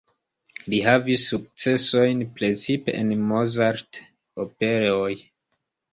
Li havis sukcesojn precipe en Mozart-operoj.